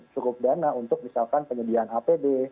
cukup dana untuk misalkan penyediaan apd